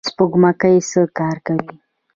سپوږمکۍ څه کار کوي؟